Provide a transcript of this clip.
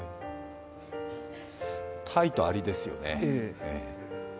たいとありですよね。